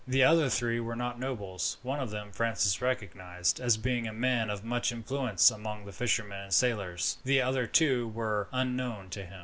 The other three were not nobles. One of them Francis recognized, as being a man of much influence among the fishermen and sailors. The other two were unknown to him.